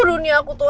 dunia aku tuh